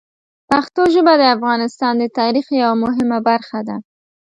پښتو ژبه د افغانستان د تاریخ یوه مهمه برخه ده.